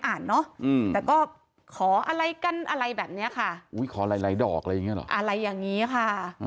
อันนั้นอะไรแบบนี้คะอะไรยังนี้คะ